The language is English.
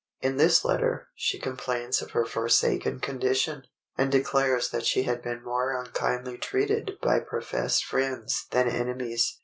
In this letter she complains of her forsaken condition, and declares that she had been more unkindly treated by professed friends than enemies.